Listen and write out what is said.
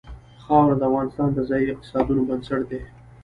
خاوره د افغانستان د ځایي اقتصادونو بنسټ دی.